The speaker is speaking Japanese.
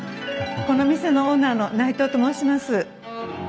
この店のオーナーの内藤と申します。